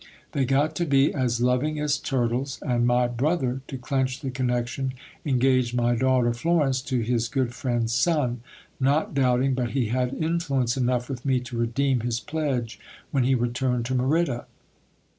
They got to be as loving as turtles ; and my brother, to clench the connection, engaged my daughter Florence to his good friend's son, not doubting but he had influence enough with me to redeem his pledge when he returned to Merida.